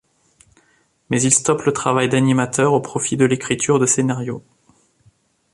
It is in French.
Mais il stoppe le travail d'animateur au profit de l'écriture de scénario.